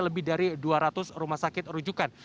lebih dari dua ratus rumah sakit rujukan